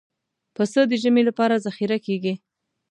پسه د ژمي لپاره ذخیره کېږي.